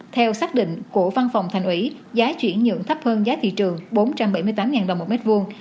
theo xác định của văn phòng thành ủy giá chuyển nhượng thấp hơn giá thị trường bốn trăm bảy mươi tám đồng một mét vuông